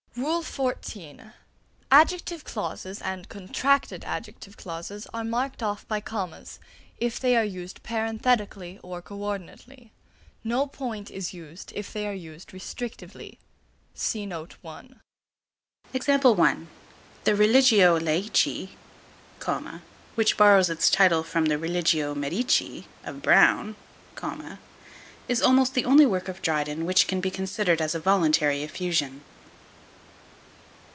XIV. Adjective clauses and contracted adjective clauses are marked off by commas, if they are used parenthetically or co ordinately; no point is used if they are used restrictively. The "Religio Laici," which borrows its title from the "Religio Medici" of Browne, is almost the only work of Dryden which can be considered as a voluntary effusion.